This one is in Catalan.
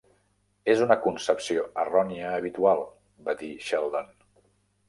"És una concepció errònia habitual", va dir Sheldon.